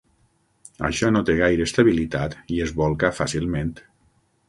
Això no té gaire estabilitat i es bolca fàcilment.